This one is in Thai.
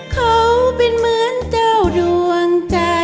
เขาเป็นเหมือนเจ้าดวงใจ